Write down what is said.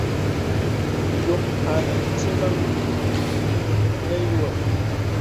Yōm anə ntìməŋ nə yuhə̀.